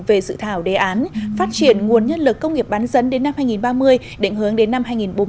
về dự thảo đề án phát triển nguồn nhân lực công nghiệp bán dẫn đến năm hai nghìn ba mươi định hướng đến năm hai nghìn bốn mươi năm